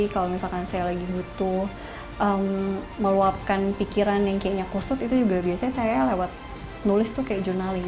kalau misalkan saya lagi butuh meluapkan pikiran yang kayaknya kusut itu juga biasanya saya lewat nulis tuh kayak jurnaling